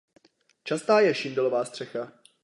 Častá je šindelová střecha.